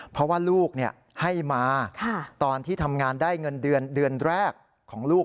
เพราะว่าลูกให้มาตอนที่ทำงานได้เงินเดือนเดือนแรกของลูก